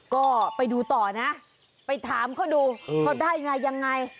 ก็ไปดูต่อนะไปถามเขาดูเขาได้ไงยังไง